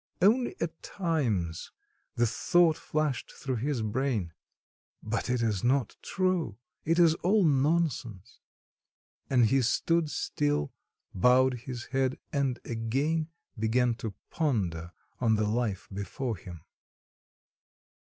Only at times the thought flashed through his brain: "But it is not true, it is all nonsense," and he stood still, bowed his head and again began to ponder on the life before him.